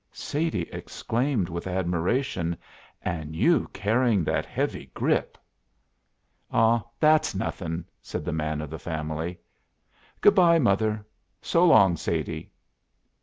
Sadie exclaimed with admiration: "An' you carryin' that heavy grip!" "Aw, that's nothin'," said the man of the family. "Good by, mother. So long, Sadie."